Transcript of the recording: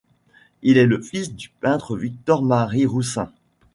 Il est le fils du peintre Victor-Marie Roussin.